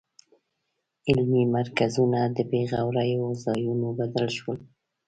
علمي مرکزونه د بېغوریو ځایونو بدل شول.